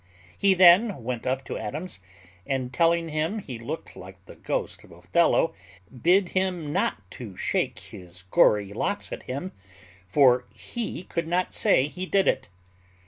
He then went up to Adams, and telling him he looked like the ghost of Othello, bid him not shake his gory locks at him, for he could not say he did it.